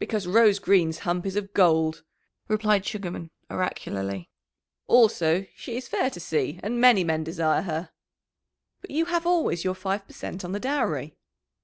"Because Rose Green's hump is of gold," replied Sugarman oracularly. "Also, she is fair to see, and many men desire her." "But you have always your five per cent on the dowry."